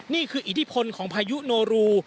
นี่คืออิทธิพลของพายุโนรู